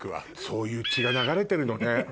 そういう血が流れてるのね。